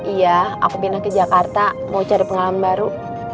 iya aku pindah ke jakarta mau cari pengalaman baru